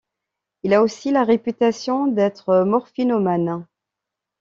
Il a aussi la réputation d'être morphinomane.